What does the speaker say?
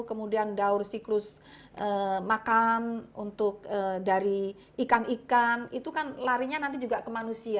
kemudian daur siklus makan untuk dari ikan ikan itu kan larinya nanti juga ke manusia